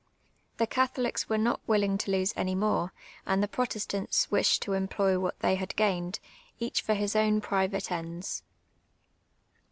The Catholics were not willing to lose any more, and the Protestants wished to employ what they had gained, each for his own private ends.